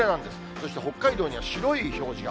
そして北海道には白い表示が。